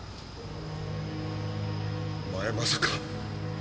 お前まさか。